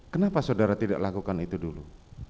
kenapa saudara tidak lakukan itu dulu